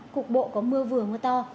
cục bộ có mưa vừa mưa to